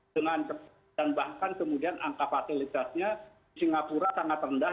dengan dan bahkan kemudian angka fasilitasnya di singapura sangat rendah